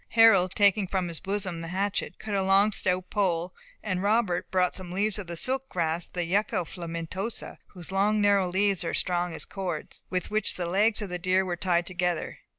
Harold, taking from his bosom the hatchet, cut a long stout pole, and Robert brought some leaves of the silk grass (the yucca filamentosa, whose long narrow leaves are strong as cords), with which the legs of the deer were tied together.